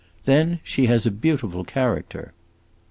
Then she has a beautiful character!"